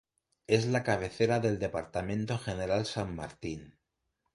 Es la cabecera del Departamento General San Martín.